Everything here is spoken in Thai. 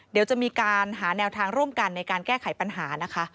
เดี๋ยวจะมีการหาแนวทางร่วมกันในการแก้ไขปัญหานะคะ